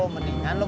mendingan lu bantuin